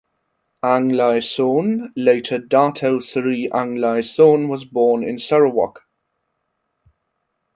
Ang Lai Soon (later Dato’ Sri Ang Lai Soon) was born in Sarawak.